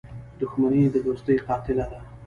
• دښمني د دوستۍ قاتله ده.